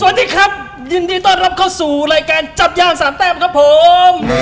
สวัสดีครับยินดีต้อนรับเข้าสู่รายการจับย่างสามแต้มครับผม